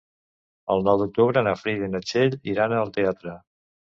El nou d'octubre na Frida i na Txell iran al teatre.